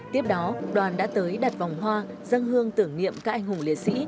trong đó đoàn đã tới đặt vòng hoa dâng hương tưởng niệm các anh hùng liệt sĩ